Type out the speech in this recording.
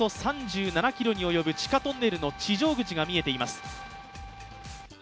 中央新幹線のおよそ３７ｋｍに及ぶ地下トンネルの地上口が見えています。